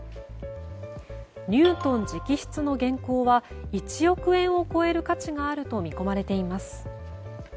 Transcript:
ニュートン直筆の原稿は１億円を超える価値があると見込まれています。